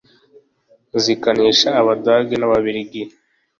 Zikanesha Abadage n'ababiligi